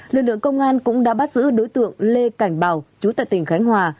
lực lượng công an cũng đã bắt giữ đối tượng lê cảnh bảo chú tại tỉnh khánh hòa